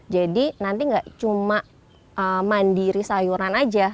jadi nanti tidak cuma mandiri sayuran saja